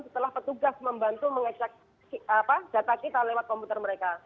setelah petugas membantu mengecek data kita lewat komputer mereka